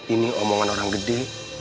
ini omongan orang gede